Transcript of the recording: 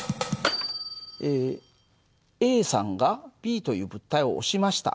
ＡさんがＢという物体を押しました。